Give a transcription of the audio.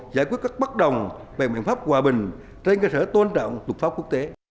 giải quyết các bất đồng về mạng pháp hòa bình trên cơ sở tôn trọng tục pháp quốc tế